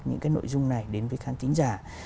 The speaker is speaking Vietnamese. những cái nội dung này đến với khán tính giả